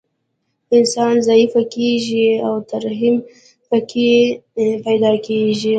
انسان ضعیف کیږي او ترحم پکې پیدا کیږي